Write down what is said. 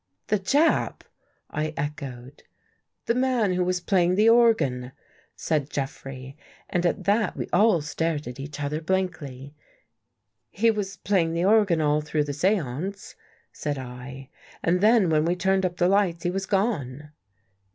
"The Jap!" I echoed. " The man who was playing the organ," said Jeffrey. And at that we all stared at each other blankly. " He was playing the organ all through the seance," said I, " and then when we turned up the lights, he was gone."